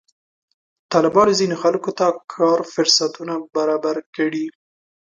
طالبانو ځینې خلکو ته کار فرصتونه برابر کړي.